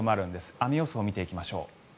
雨予想を見ていきましょう。